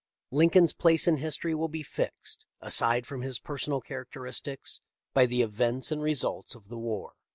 Lincoln's place in history will be fixed — aside from his personal characteristics — by the events and results of the war.